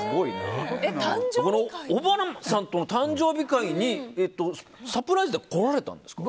オバマさんとの誕生日会にサプライズで来られたんですか？